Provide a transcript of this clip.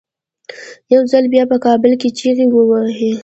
یو ځل بیا په کابل کې چیغې وهي.